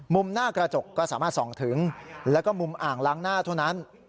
หน้ากระจกก็สามารถส่องถึงแล้วก็มุมอ่างล้างหน้าเท่านั้น